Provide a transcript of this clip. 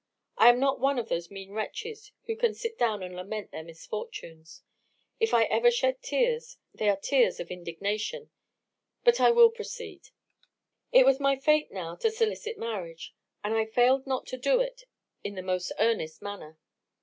I am not one of those mean wretches who can sit down and lament their misfortunes. If I ever shed tears, they are the tears of indignation. But I will proceed. "It was my fate now to solicit marriage; and I failed not to do it in the most earnest manner.